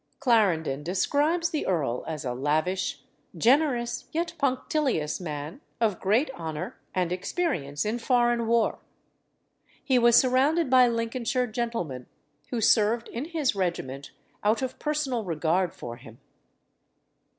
Clarendon describes the earl as a lavish, generous, yet punctilious man, of great honour and experience in foreign war. He was surrounded by Lincolnshire gentlemen, who served in his regiment out of personal regard for him.